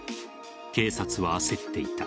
警察は焦っていた。